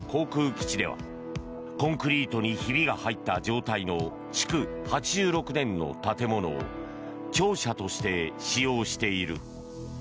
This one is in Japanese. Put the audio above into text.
また、海上自衛隊鹿屋航空基地ではコンクリートにひびが入った状態の築８６年の建物を庁舎として使用している。